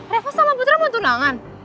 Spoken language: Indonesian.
revo sama putra mau tunangan